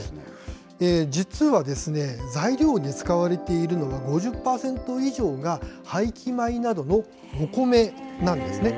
実はですね、材料に使われているのが、５０％以上が廃棄米などのお米なんですね。